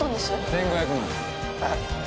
１５００万えっ！？